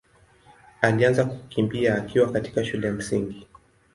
alianza kukimbia akiwa katika shule ya Msingi.